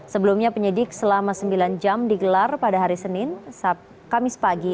sebelumnya penyidik selama sembilan jam digelar pada hari senin kamis pagi